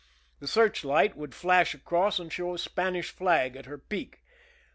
The search light would flash across and show a Spanish flag at her peak.